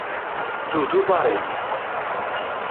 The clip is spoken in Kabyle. Ddu d uḍaṛ-im!